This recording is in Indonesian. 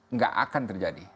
nggak akan terjadi